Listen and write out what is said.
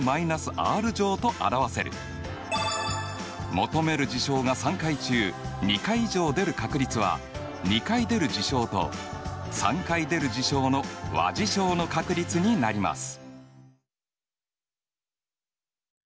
求める事象が３回中２回以上出る確率は２回出る事象と３回出る事象の和事象の確率になります。